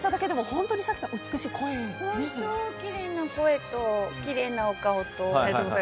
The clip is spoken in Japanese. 本当にきれいな声ときれいな顔と。